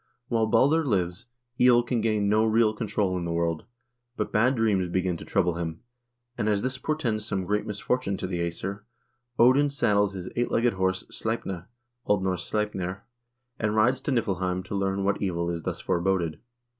While Balder lives, evil can gain no real control in the world, but bad dreams begin to trouble him, and as this portends some great misfortune to the Msir, Odin saddles his eight legged horse, Sleipne (O. N. Sleipnir), and rides to Niflheim to learn what evil is thus foreboded.